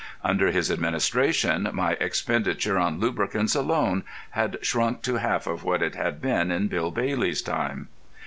Under his administration my expenditure on lubricants alone had shrunk to half of what it had been in Bill Bailey's time.